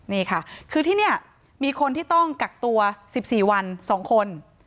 นี่ค่ะคือที่นี่มีคนที่ต้องกักตัว๑๔วัน๒คน